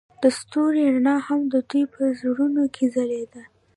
د ستوري رڼا هم د دوی په زړونو کې ځلېده.